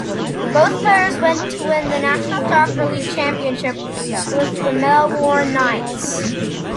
Both players went to win the National Soccer League championship with the Melbourne Knights.